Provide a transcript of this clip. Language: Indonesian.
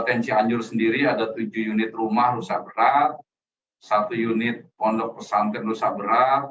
di cianjur sendiri ada tujuh unit rumah rusak berat satu unit pondok pesantren nusa berat